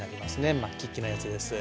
まっきっきなやつです。